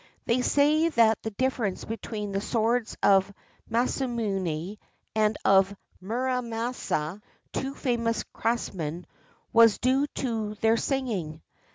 They say that the difiference between the swords of Masamune and of Muramasa, two famous craftsmen, was due to their singing.